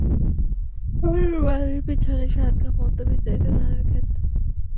হারুর বাড়ির পিছনে সাতগা পর্যন্ত বিস্তারিত ধানের ক্ষেত।